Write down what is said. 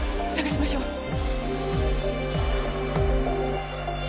捜しましょう。